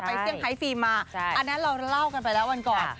เซี่ยงไฮฟิล์มมาอันนั้นเราเล่ากันไปแล้ววันก่อน